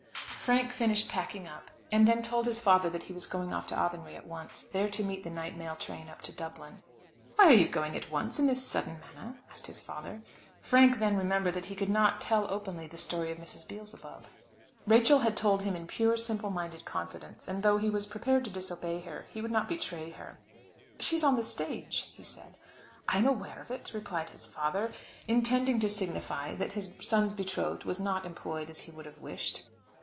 Frank finished packing up, and then told his father that he was going off to Athenry at once, there to meet the night mail train up to Dublin. "Why are you going at once, in this sudden manner?" asked his father. Frank then remembered that he could not tell openly the story of Mrs. Beelzebub. Rachel had told him in pure simple minded confidence, and though he was prepared to disobey her, he would not betray her. "She is on the stage," he said. "I am aware of it," replied his father, intending to signify that his son's betrothed was not employed as he would have wished.